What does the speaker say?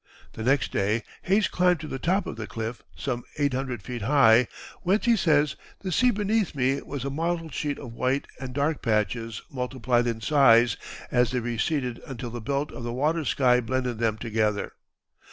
The next day Hayes climbed to the top of the cliff, some eight hundred feet high, whence, he says, "the sea beneath me was a mottled sheet of white and dark patches multiplied in size as they receded until the belt of the water sky blended them together....